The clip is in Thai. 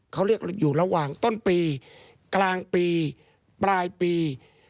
เขาเรียกอยู่ระหว่างต้นปีกลางปีปลายปี